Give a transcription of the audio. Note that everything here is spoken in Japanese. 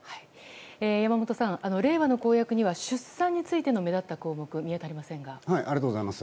山本さんれいわの公約には出産について目立った項目が見当たりませんが。